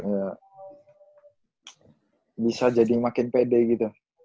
ya bisa jadi makin pede gitu